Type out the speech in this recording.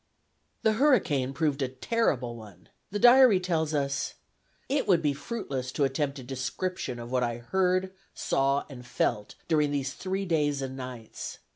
The hurricane proved a terrible one. The diary tells us: "It would be fruitless to attempt a description of what I saw, heard, and felt, during these three days and nights.